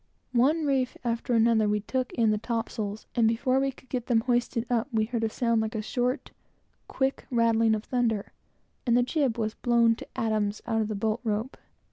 One reef after another, we took in the topsails, and before we could get them hoisted up, we heard a sound like a short, quick rattling of thunder, and the jib was blown to atoms out of the bolt rope.